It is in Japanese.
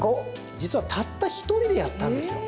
実はたった１人でやったんですよ。